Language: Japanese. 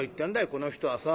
この人はさ。